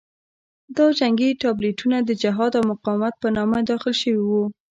دا جنګي تابلیتونه د جهاد او مقاومت په نامه داخل شوي وو.